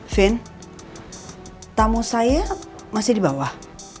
vin tamu saya masih di bawah